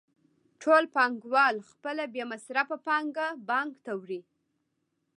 ټول پانګوال خپله بې مصرفه پانګه بانک ته وړي